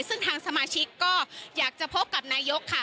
ซึ่งทางสมาชิกก็อยากจะพบกับนายกค่ะ